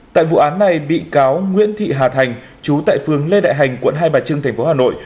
tại vụ án này bị cáo nguyễn thị hà thành chú tại phương lê đại hành quận hai bà trưng thành phố hà nội